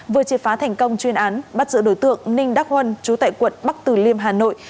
vừa triệt phá thành công chuyên án bắt giữ đối tượng ninh đắc huân chú tại quận bắc từ liêm hà nội